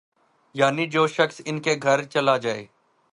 یعنی جو شخص ان کے گھر چلا جائے